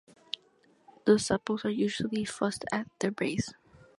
The sepals are usually fused at their base.